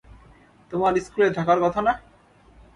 তোমার স্কুলে থাকার কথা না?